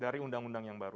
dari undang undang yang baru